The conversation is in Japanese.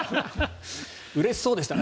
うれしそうでしたね。